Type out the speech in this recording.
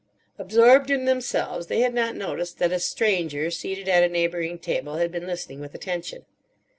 Absorbed in themselves, they had not noticed that a stranger, seated at a neighbouring table, had been listening with attention.